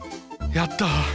やった！